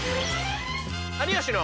「有吉の」。